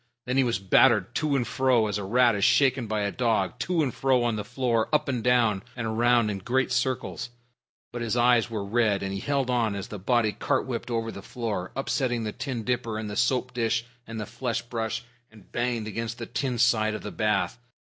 Then he was battered to and fro as a rat is shaken by a dog to and fro on the floor, up and down, and around in great circles, but his eyes were red and he held on as the body cart whipped over the floor, upsetting the tin dipper and the soap dish and the flesh brush, and banged against the tin side of the bath.